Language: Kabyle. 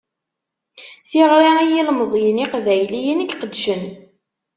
Tiɣri i yilmeẓyen iqbayliyen i iqeddcen.